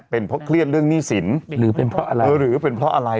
เป็นเพราะเครียดเรื่องหนี้สินหรือเป็นเพราะอะไร